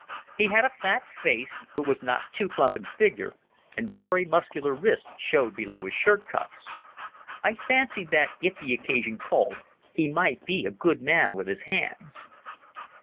He had a fat face, but was not too plump in figure, and very muscular wrists showed below his shirt cuffs. I fancied that, if the occasion called, he might be a good man with his hands.